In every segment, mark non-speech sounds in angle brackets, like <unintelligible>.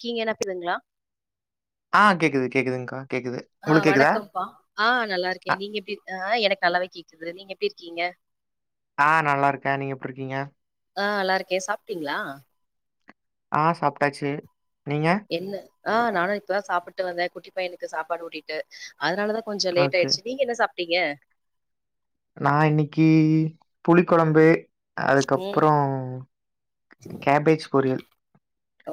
கீங்க என்ன <unintelligible> ஆ கேக்குது கேக்குதுங்க்கா கேக்குது ஆ உங்களுக்கு கேக்குதா? வணக்கம்ப்பா ஆ நல்லா இருக்கே அ நீங்க எப்டி இரு ஆ எனக்கு நல்லாவே கேக்குது நீங்க எப்டி இருக்கீங்க ஆ நல்லாருக்கே நீங்க எப்ரு இருக்கீங்க ஆ நல்லாருக்கே சாப்டீங்ளா ஆ சாப்டாச்சு நீங்க ஆ நானு இப்பதா சாப்பிட்டு வந்தே குட்டி பையனுக்கு சாப்பாடு ஊட்டிட்டு அதனாலதா கொஞ்சோ லேட் ஓகே. ஆயிடுச்சு நீங்க என்ன சாப்ட்டீங்க நா இன்னைக்கு புளி கொழம்பு ம் அதுக்கப்றோ கேபேஜ் பொரியல்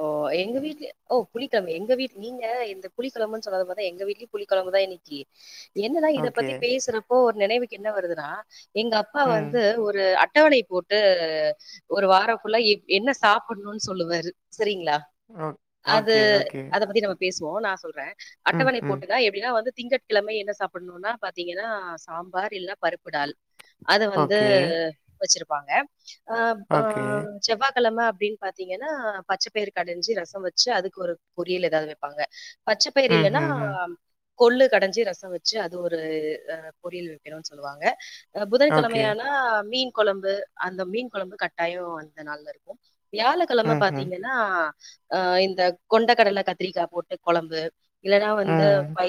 ஓ எங்வீட்ல ஓ புளிக்கொழம்பு எங்க வீ நீங்க இந்த புளிக்கொழம்புன் சொன்னத பாத்தா எங்க வீட்லயு புளி கொழம்பு தா இன்னைக் கு என்னதா இத ஓகே. பத்தி பேசுறப்போ ஒரு நினைவுக்கு என்ன வருதுனா எங்கப்பா ம். வந்து ஒரு அட்டவணை போட் டு ஒரு வாரோ ஃபுல்லா எ என்ன சாப்பண்ணுன் சொல்லுவாரு சரிங்ளா ஓ அது ஓகே, ஓகே. அத பத்தி நம்ம பேசுவோ நா சொல்றே ம், அட்டவணை ம். போட்டுனா எப்டினா வந்து திங்கட்கிழமை என்ன சாப்பண்ணுன்னா பாத்தீங்கன்னா சாம்பார் இல்னா பருப்புடால் அத வந்து ஓகே, வச்சிருப்பாங்க அ ஆ ஓகே. செவ்வாய்க்கிழம அப்டின் பாத்தீங்கன்னா பச்சப்பயிர் கடஞ்சு ரசோ வச்சு அதுக்கு ஒரு பொறியல் ஏதாவ்து வெப்பாங்க பச்சப்பயிர் ம், இல்லன்னா ம், ம். கொள்ளு கடைஞ்சு ரசோ வச்சு அது ஒரு அ பொரியல் வைக்கணுன் சொல்லுவாங்க அ புதன் ஓகே. கெழமயானா மீன் கொழம்பு அந்த மீன் கொழம்பு கட்டாயோ அந்த நாள்ல இருக்கு வியாழக்கெழம ம், பாத் ம். னா அ இந்த கொண்டக்கடல கத்திரிக்கா போட்டு கொழம்பு இல்லனா வந்து ம். பை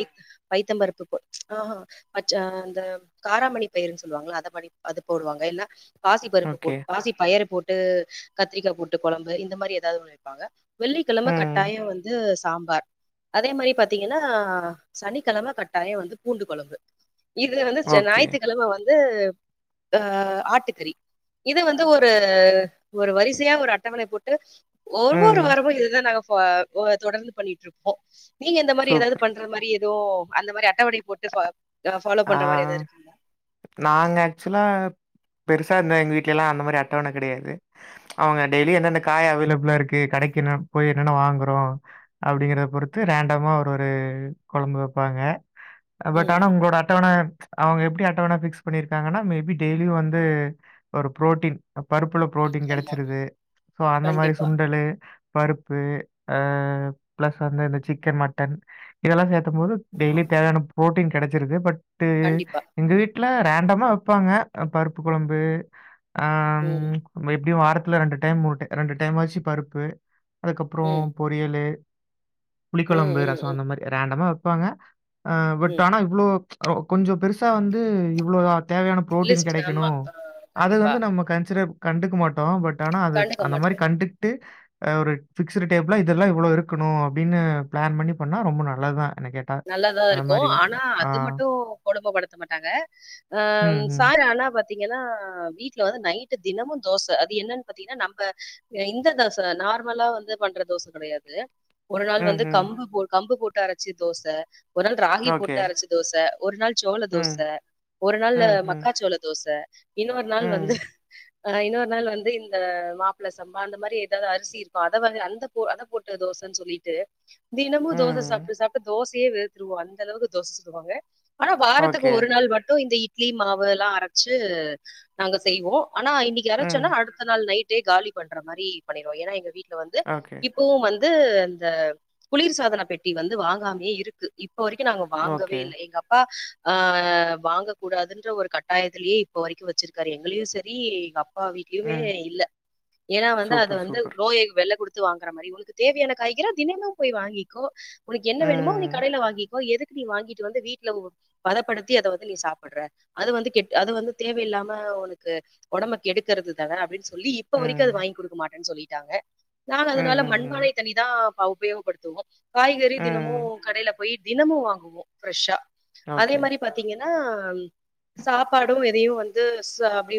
பைத்தம் பருப்பு போ ஆஹ்ஹா அச் அந்த காராமணி பயிறுன் சொல்வாங்ள அத பண்ணி அது போடுவாங்க இல்னா பாசிப்பருப்பு ஓகே. போட்டு பாசி பயறு போட்டு கத்திரிக்கா போட்டு கொழம்பு இந்த மாரி ஏதாவ்து ஒண்ணு வெப்பாங்க வெள்ளிக்கிழம ம். கட்டாயோ வந்து சாம்பார் அதே மாரி பாத்தீங்கன்னா சனிக்கிழம கட்டாயோ வந்து பூண்டு கொழம்பு இதுல வந்து ஓகே. ஞாயித்துக்கிழம வந்து அ ஆட்டுக்கறி இத வந்து ஒரு ஒரு வரிசையா ஒரு அட்டவணை போட்டு ஒவ்வொரு ம். வாரமு இதுதா நாங்க ஃபா தொடர்ந்து பண்ணிட்ருப்போ நீங்க இந்த மாரி ஏதாவ்து சூப்பர். பண் அந்த மாரி எதோ அந்த மாரி அட்டவணை போட்டு ப ஃபாலோ ஆ பண்ற மாரி எதா இருக்குங்ளா நாங்க ஆக்சுவலா பெருசா ந்தா எங்க வீட்லலா அந்த மாரி அட்டவண கெடையாது அவ்ங்க டெய்லியு எந்தெந்த காய் அவைலப்ளா இருக்கு கடைக்கு நா போய் என்னென்ன வாங்குறோ அப்டிங்கறத பொறுத்து ரேண்டமா ஒரு ஒரு கொழம்பு வெப்பாங்க பட் ம் ஆனா ம். உங்களோட அட் டவண அவ்ங்க எப்டி அட்டவண ஃபிக்ஸ் பண்ணிருக்காங்கன்னா மேபி டெய்லியு வந்து ஒரு புரோட்டீன் பருப்புல புரோட்டீன் ஆமா கெடைச்சிருது சோ அந்த மாரி கண்டிப்பா சுண்டலு பருப்பு அ பிளஸ் வந்து இந்த சிக்கன் மட்டன் இதெல்லா சே த்தும் போது டெய்லி தேவையான ப்ரோட்டீன் கெடைச்சிருது பட்டு கண்டிப்பா எங்க வீட்ல ரேண்டமா வெப்பாங்க பருப்பு குழம்பு சேரி நம்ம எப்டியு வாரத்துல ரெண்டு டைம் மூணு டை ரெண்டு டைம் ஆச்சி பருப்பு அதுக்கப்றோ ம் பொரியலு ம் புளிக்கொழம்பு ம் ரசோ ம் அந்த மாதிரி ரேண்டமா வப்பாங்க பட் ம் ஆனா இவ்ளோ கொஞ்சோ பெருசா வந்து இவ்ளோ தேவயான புரோட்டீன் லிஸ்ட் கெடக்கணு ஆமா ஆ, அது கண்டிப்பா வந்து நம்ம கன்சிடர் கண்டுக்க மாட்டோம் பட் ஆனா அது கண்டுக்க அந்த மாதிரி மாட்டோம் கண்டுட்டு ஒரு ஃபிக்ஸு டேப்லாம் இதெல்லாம் இவ்ளோ இருக்கணு அப்டின்னு ப்ளான் பண்ணி பண்ணா ரொம்ப நல்லது தா என கேட்டா அந்த நல்லாதாருக்கும் மாரி ஆனா ஆ. அது மட்டும் இப்போ கொடும படுத்த மாட்டாங்க ஆ ம், ம். சாரனா பா த்தீங்கன்னா வீட்ல வந்து நைட்டு தினமும் தோச அது என்னன்னு பாத்தீங்கன்னா நம்ம இந்த தோச நார்மலா வந்து பண்ற தோச கெடையாது ஒரு நாள் வந்து ம்ஹ்ம். கம்பு போ கம்பு போட்டு அரச்சு தோச ஒரு நாள் ராகி ஓகே. போட்டு அரச்சு தோச ஒரு நாள் சோள தோச ம். ஒரு நாள் ம்ஹ்ம். மக்கா சோள தோச இன்னொரு ம். நாள் வந்து ம். ஆ இன்னொரு நாள் வந்து இந்த மாப்ள சம்பா அந்த மாதிரி ஏதாவது அரிசிருக்கு அத வந்து அத போட்டு தோன்னு சொல்லி ட்டு தினமு தோச ம் சாப்ட்டு சாப்ட்டு தோசயே வெறுத்துருவோ அந்த அளவுக்கு தோச சுடுவாங்க ஆ வாரத்துக்கு ஓகே. ஒரு நாள் மட்டும் இந்த இட்லி மாவு எல்லா அரச்சு நாங்க செய்வோ ஆனா இன்னக்கி ம். அரச்சோன்னா அடுத்த நாள் நைட்டே காலி பண்ற மாரி பண்ணிருவோ ஏன்னா எங்க வீட்ல வந்து ஓகே. இப் பவும் வந்து இந்த குளிர் சாதன பெட்டி வந்து வாங்காமே இருக்கு இப்ப வரைக்கும் நாங்க ஓகே. வாங்கவே இல்ல எங்க அப்பா ஆ வாங்க கூடாதுன்ற ஒரு கட்டாயத்திலேயே இப்ப வரைக்கு வச்சிருக்காரு எங்களயு செரி எங்அப் பா வீட்லயுமே ம். இல்ல ஏன்னா வந்து அது சூப்பர், வந்து சூப்பர். நோய் வெல குடுத்து தத்து வாங்குற மாரி உனக்கு தேவையான காய்கறி தினமும் போய் வாங்கிக்கோ உனக்கு என்ன வேணுமோ நீ ம். கடைல வாங்கிக்கோ எதுக் தீ வாங்கிட்டு வந்து வீட்ல பதப்படுத்தி அத வந்து நீ சாப்டுற அது வந்து கெட் அது வந்து தேவயில்லாம உனக்கு ஒடம்ப கெடுக்கிறது தான அப்டின்னு சொல் சொல்லி இப்ப வரைக்கு ம். அது வாங்கி கொடுக்க மாட்டேன்னு சொல்லிட்டாங்க நானு ம். அதனால ம். மண்பானை தண்ணி தா உபயோகப்படுத்துவோ காய்கறி ம். தினமும் கடைல போய் தினமும் வாங்குவோம் ப்ரெஷ்ஷா அதே ஓகே. மாரி பாத்தீங்கன்னா சாப்பாடும் எதையும் வந்து ச அப்டி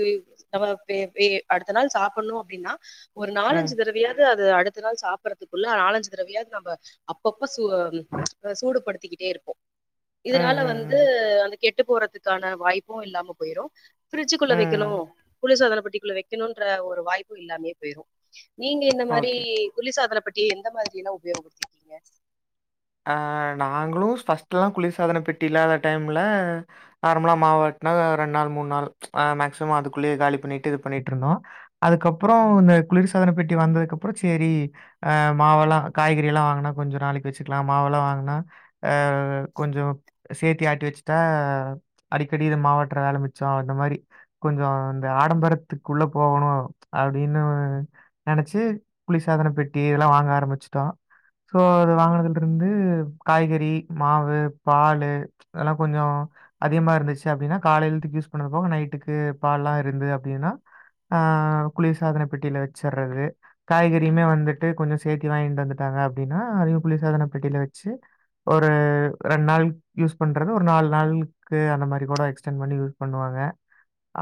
நம்ம அப்டிப்டியே அடுத்த நாள் சாப்பிட்ணு அப்டின்னா ஒரு நாலஞ்சு ம். தடவையாது அது அடுத்த நாள் சாப்பறதுக்குள்ள நாலஞ்சு தடவையாவது நம்ப அப்போ ரொம்ப சு சூடுபடுத்திக்கிட்டே இருப்போம் ம். இதுனால வந்து ம். கெட்டு போறதுக்கான வாய்ப்பும் இல்லாம போயிரும் பிரிட்ஜுகுள்ள ம். வெக்கணு ம். குளிர் சாதன பெட்டிக்குள்ள வெக்கணும் கேணும்ன்ற ஒரு வாய்ப்பு இல்லாமே போயிரும் நீங்க இந்த மாரி ஓகே. குளிர் சாதன பெட்டி எந்த மாதிரி யெல்லா உபயோகப்படுத்தருக்கீங்க ஆ நாங்களு ஃபர்ஸ்ட்டெலா குளிர்சாதன பெட்டி இல்லாத டைம்ல நார்மலா மாவாட்டுனா ரெண்டு நாள் மூணு நாள் அ மேக்சிமம் அதுக்குள்ளே காலி பண்ணிட்டு இது பண்ணிட்டு ருந்தோம் அதுக்கப்றோ இந்த குளிர் சாதன பெட்டி வந்ததுக்கு அப்றோ செரி ஆ மாவெல்லா காய்கறி எல்லா வாங்குனா கொஞ்ச நாளைக்கு வெச்சுக்கலா மாவெல்லா வாங்குனா ஆ கொஞ்சோ சேத்தி ஆட்டி வெச்சுட்டா அடிக்கடி இந்த மாவாட்ற வேல மிச்சோ அந்த மாரி கொஞ்சோ இந்த ஆடம்பரத்துக்குள்ள போகணு அப்டின்னு நெனச்சு குளிர் சாதன பெட்டி இதெல்லாம் வாங்க ஆரம்பிச்சிட்டோ சோ அது வாங்குனது இருந்து காய்கறி மாவு பாலு அதெல்லா கொஞ்சோ அதிகமா இருந்துச்சு அப்டின்னா காலையிழுத்துக்கு யூஸ் பண்ணது போக நைட்டுக்கு பால்லாயிருந்து அப்டின்னா ஆ குளிர் சாதன பெட்டில வெச்சிர்றது காய்கறியுமே வந்துட்டு கொஞ்சோ சேத்தி வாங்கிட்டு வந்துட்டாங்க அப்டின்னா அதையு குளிர் சாதன பெட்டில வெச்சு ஒரு ரெண்டு நாள் யூஸ் பண்றது ஒரு நாலு நாள்க்கு அந்த மாரி கூட எக்ஸ்டன்டு பண்ணி யூ பண்ணுவாங்க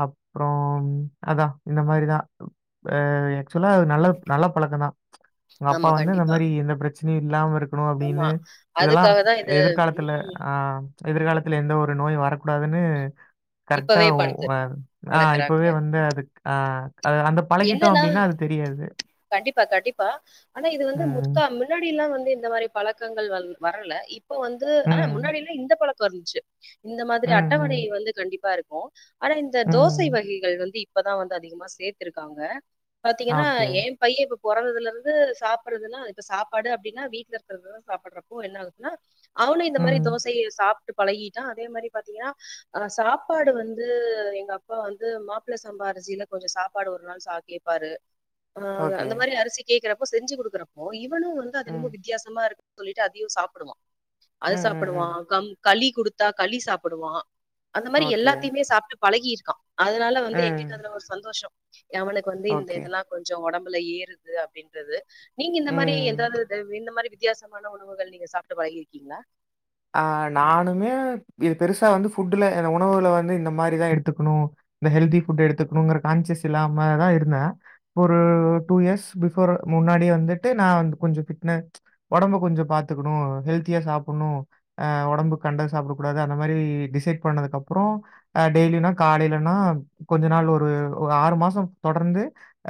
அப்றோம் அதா இந்த மாரி‌ தா ப் அ ஆக்சுவலா அது நல்லப் நல்ல பழக்கந்தா. உங்க அப்பா ஆமா வந்து இந்த கண்டிப்பா மாரி எந்த பிரச்சினியு இல்லாம இருக் னு அப்டினு ஆமா இதெல்லா அதுக்காக தான் இது எதிர்காலத்த ல ம் அம் எதிர்காலத்துல எந்த ஒரு நோயு வரக்கூடாதுன்னு கரெக்டா இப்பவே உ படுத்து அ ஆ வளர்க்குறாங்க இப்பவே வந்த அதுக்கு ஆ க் அது அந்தப் என்னன்னா கண்டிப்பா கண்டிப்பா ஆனா இது வந்து ம். முத்தா மில் முன்னாடி எல்லா வந்து இந்த மாரி பழக்கங்கள் வல் வரல இப்ப வந்து ஆனா ம். முன்னாடி எல்லா இந்த பழக்கோ இர்ந்ச்சு. இந்த மாதிரி ம். அட்டவணை ம். வந்து கண்டிப்பா இருக்கு ஆனா இந்த தோசை ம். வகைகள் வந்து இப் பதா வந்து அதிகமா சேத்துருக்காங்க பாத்தீங்கன்னா ஓகே. ஏ பைய இப்ப பொறந்ததுல இருந்து சாப்பறதுல்லா இப்ப சாப்பாடு அப்டினா வீட்ல இருக்கற்து <unintelligible> சாப்பட்றப்போ என்ன ஆகுதுன்னா அவனு இந்த மாரி ம். தோசை சாப்ட்டு பழகிட்டா அதே மாரி பாத்தீங்கனா ஆ சாப்பாடு வந்து எங்க அப்பா வந்து மாப்ள சம்பா அரிசில கொஞ்சோ சா ப்பாடு ஒரு நாள் சா கேப்பாரு அ ஓகே. அந்த மாரி அரிசி கேக்குறப்போ செஞ்சு குடுக்குறப்போ இவனு வந் து அது என்மோ ம். வித்தியாசமா இருக் சொல்லிட்டு அதையு சாப்புடுவா அத ம். ம். சாப்புடுவா ம். கம் களி குடுத்தா களி சாப்புடுவா அந்த மாரி ஓகே. எல்லாத்தைமே சாப்ட்டு பழகிருக்கா. அதனால வந்து ம். எங்குள்க்கு அதுல ஒரு சந்தோஷோ எவனுக்கு வந்து இந்த ஓகே. இதுல்லா கொஞ்சொ ஒடம்புல ஏறுது அப்டின்றது நீங்க இந்த மாரி ம். எதாது துவ் இந்த மாரி வித் தியாசமான உணவுகள் நீங்க சாப்ட்டு பழகிருக்கிங்ளா? ஆ நானுமே இது பெருசா வந்து ஃபுட்டுல என உணவுல வந்து இந்த மாரிதா எடுத்துக்குணு இந்த ஹெல்த்தி ஃபுட்டு எடுத்துக்குணுங்கற கான்சியஸ் இல்லாமதா இருந்தே. ஒரு டூ இயர்ஸ் பிஃபோர் முன்னாடியே வந்துட்டு நா வந்து கொஞ்சோ ஃபிட்ன ஒடம்ப கொஞ்சோ பாத்துக்குணு ஹெல்த்தியா சாப்புன்னு. அ ஒடம்புக் கண்டத சாப்படக் கூடாது அந்த மாரி டிசைட் பண்ணதுக்கப்புறோ அ டெய்லியுனா காலைலன்னா கொஞ்ச நாள் ஒரு ஒரு ஆறு மாசோ தொடர்ந்து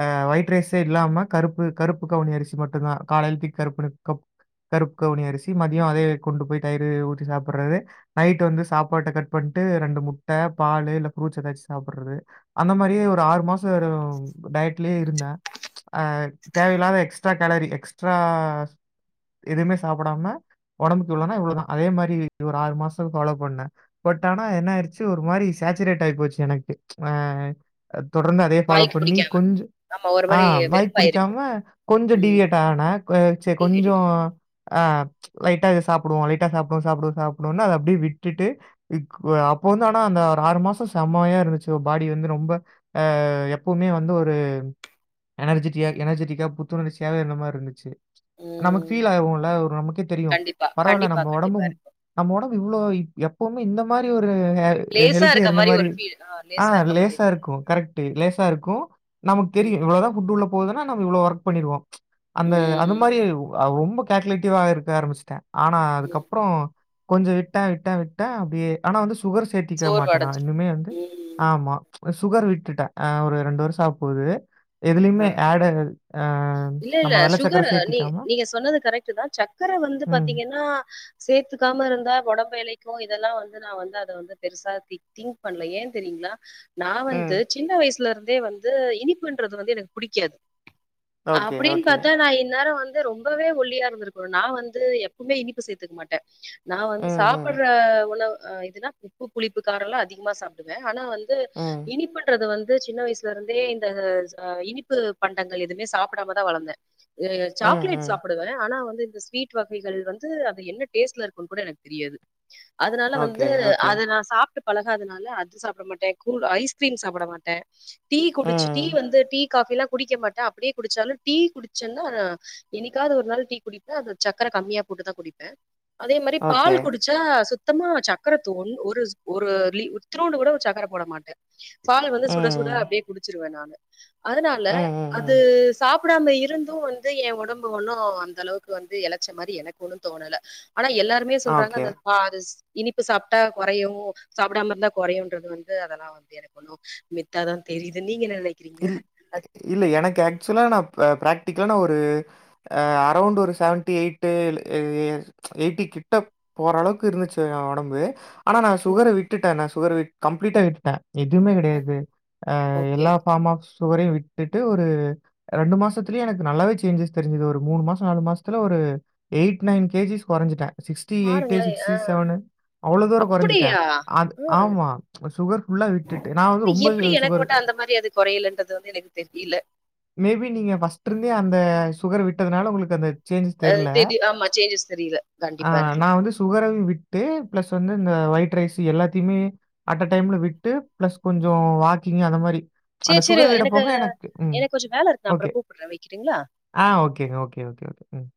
அ ஒயிட் ரைஸே இல்லாம கருப்பு கருப்பு கவுனி அரிசி மட்டுந்தா காலைல்த்திக் கருப்புனுக் கப் க் க் கருப் கவுனி அரிசி மதியோ அதயே கொண்டு போய் தயிரு ஊத்தி சாப்பட்றது. நைட்டு வந்து சாப்பாட்ட கட் பண்ட்டு ரெண்டு முட்ட பாலு இல்ல ஃப்ரூட்ஸ் எதாச்சு சாப்பட்றது. அந்த மாரியே ஒரு ஆறு மாசோ வெறு டயட்லியே இருந்தே. அ தேவையில்லாத எக்ஸ்ட்ரா கேலரி எக்ஸ்ட்ராஸ் எதுமே சாப்படாம ஒடம்புக்கு இவ்ளனா இவ்ளதா அதே மாரி ஒரு ஆறு மாசோ ஃபாலோ பண்ணே. பட் ஆனா என்ன ஆயிர்ச்சு ஒரு மாரி சாச்சுரேட் ஆயி போச்சு எனக்கு அ அ தொடர்ந்து அதயே ஃபாலோ வாய்க்கு பண்ணி பிடிக்காம. கொஞ்ச ஆமா ஒரு ஆ மாரி வாய்க் வெறுப்பாயிருக்கு. புடிக்காம கொஞ்சோ ம். டீவியேட் ஆனே க் ஏ சே கொஞ்சோ டீஹைட்ரேட்டட். ஆ லைட்டா இத சாப்புடுவோ லைட்டா சாப்புடுவோ சாப்புடுவோ சாப்புடுவன்னு அத அப்டியே விட்டுட்டு இக்வ அப்ப வந்து ஆனா அந்த ஒரு ஆறு மாசோ செம்மையா இருந்துச்சு பாடி வந்து ரொம்ப அ எப்புமே வந்து ஒரு எனர்ஜிட்டியா எனர்ஜிட்டிக்கா புத்துணர்ச்சியாவே இருந்த மார்ருந்துச்சு. நமக்கு ம். ஃபீல் ஆகவுல்ல ஒரு நமக்கே தெரியு கண்டிப்பா, பரவால்ல கண்டிப்பா, நம் கண்டிப்பா இருக்கும். நம்ம ஒடம்பு இவ்ளோ இப் எப்புமே இந்த மாரி ஒரு ஹே அ லேசா ஹெல்த்தியா இருக்க இருந்த மாரி ஒரு ஃபீல். ஆ இருக்க மாரி லேசா இருக்கும். இருக்கு கரெக்ட்டு லேசா இருக்கு நமக் தெரியு ம். இவ்ளதா ஃபுட்டு உள்ள போதுனா நம்ம இவ்ளோ ஒர்க் பண்ணிருவோ அந்த அந்த ம். மாரியே உ அ ரொம்ப கேல்க்குலேட்டிவ்வா இருக்க ஆரமிச்சிட்டே ஆனா அது க்கப்புறோ கொஞ்சோ விட்டே விட்டே விட்டே அப்டியே ஆனா வந்து சுகர் சேத்திக்கவே மாட்டே நா சோர்வடஞ்சிரும். இன்னுமே வந்து ம். ஆமா சுகர் விட்டுட்டே அ ஒரு ரெண்டு வருஷோ ஆவ்ப்போது. ஆ. எதுலயுமே ஆட் ஆகாது அ இல்ல, இல்ல. நம்ம வெள்ள சக்கர சுகர் சேத்திக்காம சக்கர வந்து பாத்தீங்கன்னா சேத்துக்காம இருந்தா ஒடம்பு எலைக்கு இதல்லா வந்து நா வந்து அத வந்து து பெருசா தி திங்க் பண்ல ஏ தெரியுங்களா நா ம் வந்து சின்ன வயசுல இருந்தே வந்து இனிப்புன்றது வந்து எனக்கு புடிக்காது ஓகே அப்டின் ஓகே பாத்தா நா இந்நேரோ வந் து ரொம்பவே ஒல்லியா இருந்திருக்கணு நா வந்து எப்பமே இனிப்பு சேத்துக்க மாட்டே நா வந்து ம் ம் சாப்பற்ற உணவு இதுனா உப்பு புளிப்பு காரோல்லா அதிகமா சாப்டுவே ஆனா வந் து ம் இனிப்புன்றது வந்து சின்ன வயசுல இருந்தே இந்த ச இனிப் பு பண்டங்கள் எதுமே சாப்டாமதா வளந்தே இது ம் சாக்லேட் ம் சாப் டுவே ஆனா வந்து இந்த ஸ்வீட் வகைகள் வந்து அது என்ன டேஸ்ட்ல இருக்குன் கூட எனக் தெரியாது அதுனால வந்து ஓகே ஓகே அத நா சாப் ட்டு பழகாதனால அது சாப்ட மாட்டே கூல் ஐஸ்கிரீம் சாப்பட மாட்டே டீ குடுச்சு டீ ம் வந்து டீ காஃபில்லா குடிக்க மாட்டே அப்டியே குடுச்சாலு டீ குடுச்சன்னா என்னைக்காவது ஒரு நாள் டீ குடிப்பே அதுல சக்கர கம்மியா போட்டுதா குடிப்பே அதே மாரி பால் ஓகே குடு ச்சா சுத்தமா சக்கர தோண் ஒரு ஒரு லீ இத்துனூண்டு கூட ஒரு சக்கர போட மாட்டே பால வந்து சுட சுட ம் அப்டியே குடுச்சுருவே நானு அதுனால ம், ம், அது ம். சாப் சாப்டாம இருந்து வந்து எ ஒடம்பு ஒண்ணு அந்த அளவுக்கு வந்து எளச்ச மாரி எனக்கு ஒன்னு தோணல ஆனா எல்லாருமே ஆ சொல்றாங்க ஓகே. அந்த ஆ அது இனிப்பு சாப்ட்டா கொறையு சாப்டாம இருந்தா கொறையுன்றது வந்து அதல்லா வந்து எனக்கு ஒண்ணு வித்தா தா தெரியுது நீங்க என்ன நெனைக்கறீங்க இல் இல்ல எனக்கு ஆக்சுவலா நா ப ப்ராக்டிக்கலா நா ஒரு அ அரோண்ட்டு ஒரு சவன்டி ஏய்ட்டு இல்ல எ எ ஏய்ட்டி கிட்ட போறளவுக் இருந்துச்சு எ ஒடம்பு ஆனா நா சுகர விட்டுட்டே நா சுகர கம்ப்ளீட்டா விட்டுட்டே எதுமே கெடயாது ஆ ஓகே எல்லா ஆமா சுகரயு விட்டுட்டு ஒரு ரெண்டு மாசத்துலயே எனக்கு நல்லாவே சேஞ்சஸ் தெருஞ்சது ஒரு மூணு மாசோ நாலு மாசத்துல ஒரு ஏய்ட் நைன் கேஜிஸ் கொறஞ்சுட்டே சிக்ஸ்டி ஏய்ட்டு பாருங்களே ஆ சிக்ஸ்டி சவனு அவ்ளோ தூரொ கொறஞ்சுட்டே அப்படியா அ ம் ஆமா சுகர் ஃபுல்லா விட்டுட்டு நா வந்து ரொம்ப சுகரு கொறைலன்றது வந்து எனக்கு தெரியல மேபி நீங்க ஃபர்ஸ்ட்ருந்தே அந்த சுகர விட்டதுனால ஒங்களுக்கு அந்த சேஞ்சஸ் அ தெர்ல தெரி ஆமா சேஞ்சஸ் தெரியல ஆ கண்டிப்பா நா இருக்கலாம் வந்து சுகர விட் டு பிளஸ் வந்து இந்த ஒயிட் ரைஸ் எல்லாத்தயுமே அட்ட டைம்ல விட்டு பிளஸ் கொஞ்சோ வாக்கிங் அந்த மாரி. அந்த சேர் சேர் சுகர விட எனக்கு போக ம். எனக்கு கொஞ்சோ வேல இருக்கு நா ஓகே. அப்றௌ கூப்பரே வக்கிறீங்களா ஆ ஓகேங்க ஓகே ஓகே ஓகே ம்